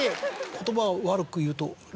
言葉悪く言うと。